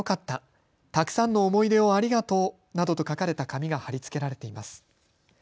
たくさんの思い出をありがとうなどと書かれた紙が貼り付けられています。